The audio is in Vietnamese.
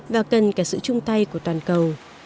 và cần cả sự chung tay của toàn cầu